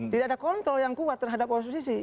tidak ada kontrol yang kuat terhadap oposisi